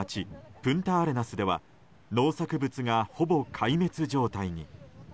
プンタアレナスでは農作物がほぼ壊滅状態に。